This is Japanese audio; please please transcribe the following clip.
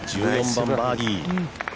１４番、バーディー。